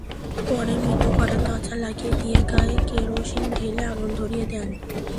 পরে মিতু ঘরের দরজা লাগিয়ে দিয়ে গায়ে কেরোসিন ঢেলে আগুন ধরিয়ে দেন।